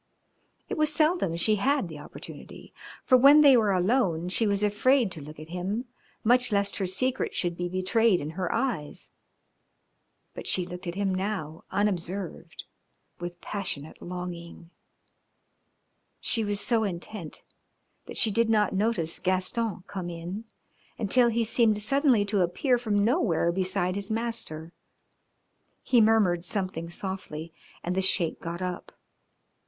It was seldom she had the opportunity, for when they were alone she was afraid to look at him much lest her secret should be betrayed in her eyes. But she looked at him now unobserved, with passionate longing. She was so intent that she did not notice Gaston come in until he seemed suddenly to appear from nowhere beside his master. He murmured something softly and the Sheik got up.